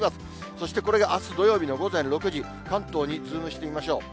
そしてこれがあす土曜日の午前６時、関東にズームしてみましょう。